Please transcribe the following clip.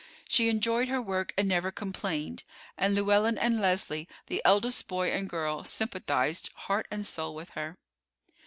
She enjoyed her work and never complained; and Llewellyn and Leslie, the eldest boy and girl, sympathized heart and soul with her.